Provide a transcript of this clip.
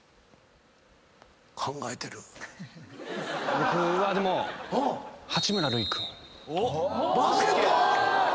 僕はでも八村塁君。